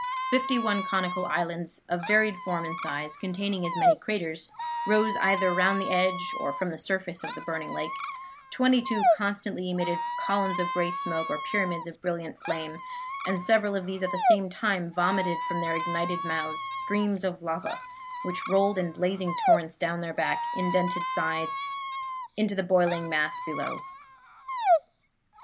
Fifty one conical islands, of varied form and size, containing as many craters, rose either round the edge or from the surface of the burning lake; twenty two constantly emitted columns of gray smoke or pyramids of brilliant flame, and several of these at the same time vomited from their ignited mouths streams of lava, which rolled in blazing torrents down their black indented sides into the boiling mass below.